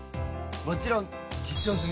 もちろん実証済！